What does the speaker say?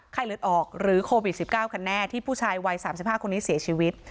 เลือดออกหรือโควิด๑๙กันแน่ที่ผู้ชายวัย๓๕คนนี้เสียชีวิต